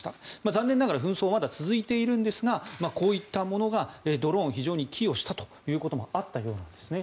残念ながら紛争はまだ続いているんですがこういったものがドローン非常に寄与したということもあったようなんです。